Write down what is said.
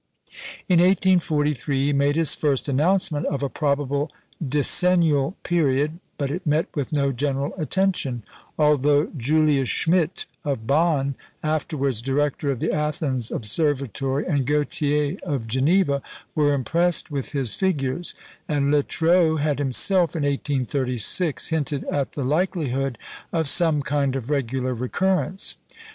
In 1843 he made his first announcement of a probable decennial period, but it met with no general attention; although Julius Schmidt of Bonn (afterwards director of the Athens Observatory) and Gautier of Geneva were impressed with his figures, and Littrow had himself, in 1836, hinted at the likelihood of some kind of regular recurrence.